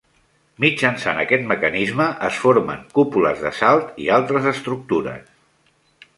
Mitjançant aquest mecanisme es formen cúpules de salt i altres estructures.